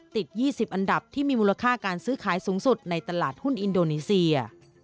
ติด๒๐อันดับที่มีมูลค่าการซื้อขายสูงสุดในตลาดหุ้นอินโดนีเซีย